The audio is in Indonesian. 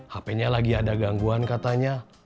hpnya lagi ada gangguan katanya